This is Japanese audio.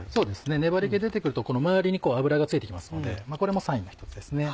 粘り気出てくると周りに脂が付いてきますのでこれもサインの１つですね。